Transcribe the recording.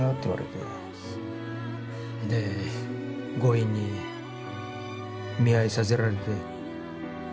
で強引に見合いさせられて。